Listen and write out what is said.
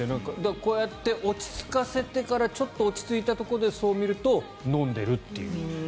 こうやって落ち着かせてからちょっと落ち着いたところで見ると、飲んでるっていう。